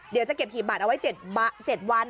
เดี๋ยวจะเก็บหีบบัตรเอาไว้๗วัน